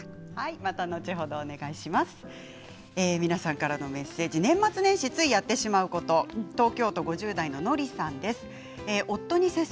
皆さんからのメッセージ年末年始ついやること東京都５０代の方です。